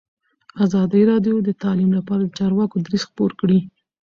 ازادي راډیو د تعلیم لپاره د چارواکو دریځ خپور کړی.